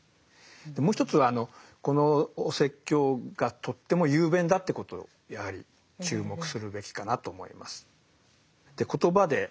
もう一つはこのお説教がとっても雄弁だってことであり注目するべきかなと思います。